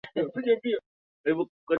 pale Hiroshima na Nagasaki Katika miongo ya